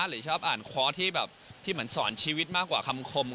หรือชอบอ่านค้อที่แบบที่เหมือนสอนชีวิตมากกว่าคำคม